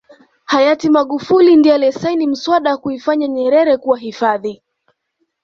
hayati magufuli ndiye aliyesaini mswada wa kuifanya nyerere kuwa hifadhi